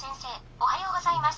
おはようございます。